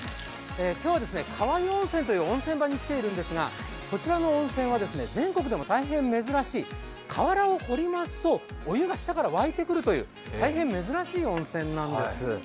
今日は川湯温泉という温泉場に来ているんですがこの温泉は全国で大変珍しい、河原を掘りますとお湯が下からわいてくるという大変珍しい温泉なんです。